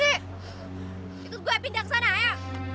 ikut gue pindah kesana ya